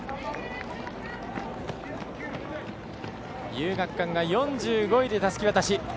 遊学館が４５位でたすき渡し。